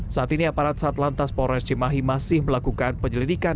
saat ini aparat satlantas polres cimahi masih melakukan penyelidikan